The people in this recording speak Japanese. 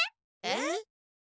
えっ？